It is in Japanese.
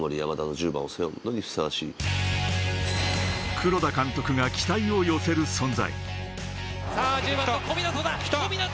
黒田監督が期待を寄せる存在。